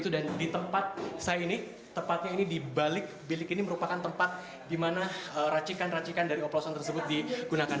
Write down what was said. dan di tempat saya ini tempatnya ini di balik bilik ini merupakan tempat di mana racikan racikan dari oplosan tersebut digunakan